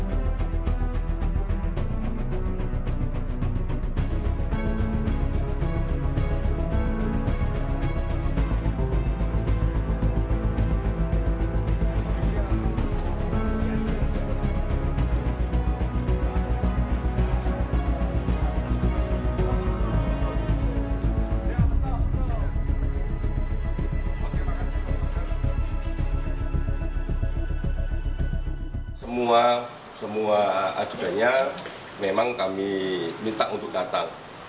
semua adudanya memang kami minta untuk datang